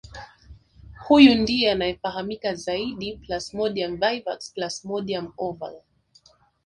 Huyu ndiye anayefahamika zaidi Plasmodium vivax Plasmodium ovale